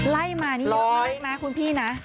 ไล่มานี่เยอะน้อยนะคุณพี่นะ